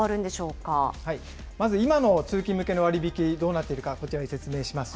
まず今の通勤向けの割引、どうなっているか、こちらで説明します。